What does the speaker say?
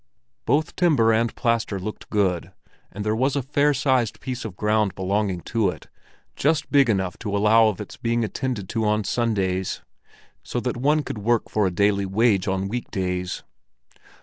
Both timber and plaster looked good, and there was a fair sized piece of ground belonging to it, just big enough to allow of its being attended to on Sundays, so that one could work for a daily wage on weekdays.